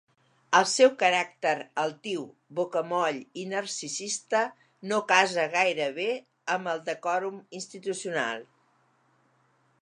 El seu caràcter –altiu, bocamoll i narcisista–no casa gaire bé amb el decòrum institucional.